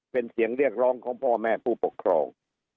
เป็นเสียงเรียกร้องของพ่อแม่ผู้ปกครอง